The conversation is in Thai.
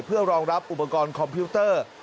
เพื่อรองรับอุปกรณ์คอมพิวเตอร์